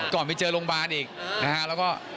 ก่อนไปเจอโรงพยาบาลอีกนะฮะแล้วก็